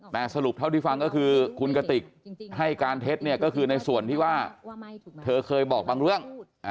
แต่สรุปเท่าที่ฟังก็คือคุณกติกให้การเท็จเนี่ยก็คือในส่วนที่ว่าเธอเคยบอกบางเรื่อง